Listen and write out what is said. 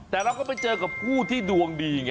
แต่เราก็ไปเจอกับผู้ที่ดวงดีไง